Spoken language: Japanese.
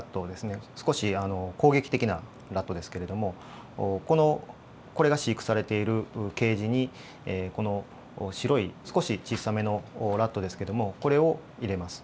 少し攻撃的なラットですけれどもこのこれが飼育されているケージにこの白い少し小さめのラットですけどもこれを入れます。